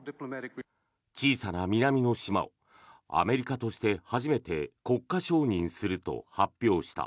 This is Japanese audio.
小さな南の島をアメリカとして初めて国家承認すると発表した。